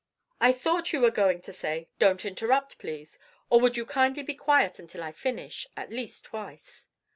I thought you were going to say, 'Don't interrupt, please,' or 'Would you kindly be quiet until I finish?' at least twice."